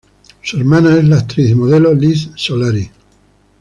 Su hermana es la actriz y modelo Liz Solari.